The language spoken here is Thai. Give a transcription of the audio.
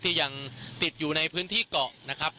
ยังติดอยู่ในพื้นที่เกาะนะครับ